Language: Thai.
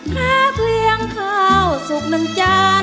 แค่เพลียงข่าวสุขหนึ่งจาน